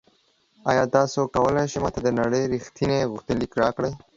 ایا تاسو کولی شئ ما ته د نړۍ ریښتیني غوښتنلیک راکړئ؟